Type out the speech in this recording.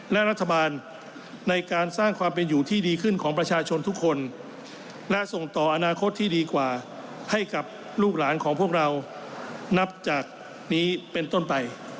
และส่งต่ออนาคตที่ดีกว่าให้กับลูกหลานของพวกเรานับจากนี้เป็นต้นไป